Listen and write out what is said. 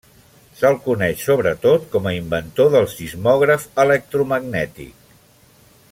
Se'l coneix sobretot com a inventor del sismògraf electromagnètic.